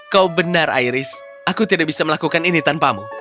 kau benar iris aku tidak bisa melakukan ini tanpamu